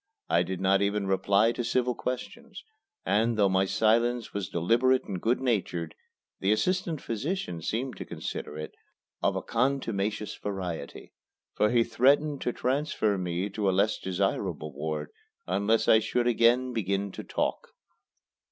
I did not even reply to civil questions; and, though my silence was deliberate and good natured, the assistant physician seemed to consider it of a contumacious variety, for he threatened to transfer me to a less desirable ward unless I should again begin to talk.